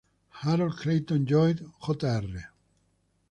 Harold Clayton Lloyd, Jr.